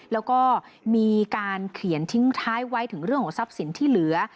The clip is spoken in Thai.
แล้วก็มีการเขียนทิ้งท้ายไว้ถึงเรื่องของทรัพย์สินที่เหลือ